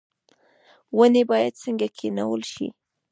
ونې باید څنګه کینول شي؟